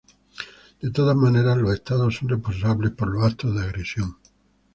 De todas maneras los estados son responsables por los actos de agresión.